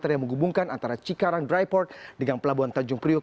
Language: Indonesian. yang menghubungkan antara cikarang dryport dengan pelabuhan tanjung priok